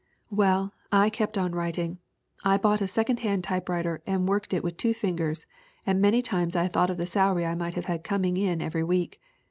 "Well, I kept on writing. I bought a second hand typewriter and worked it with two fingers and many times I thought of the salary I might have had coming in every week.